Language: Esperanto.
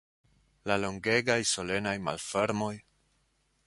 La longegaj solenaj malfermoj?